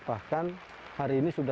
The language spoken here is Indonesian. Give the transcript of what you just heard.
bahkan hari ini sudah